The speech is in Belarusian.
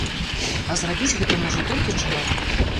А зрабіць гэта можа толькі чалавек.